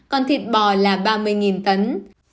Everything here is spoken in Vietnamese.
còn thịt bò là ba mươi tấn